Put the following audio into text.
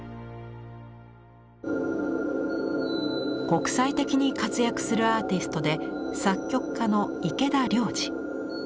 国際的に活躍するアーティストで作曲家の池田亮司。